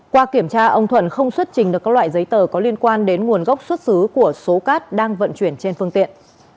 qua kiểm tra ông thuận không xuất trình được các loại giấy tờ có liên quan đến nguồn gốc xuất xứ của số cát đang vận chuyển trên phương tiện